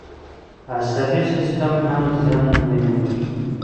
عصبي سیستم هم زیان ویني.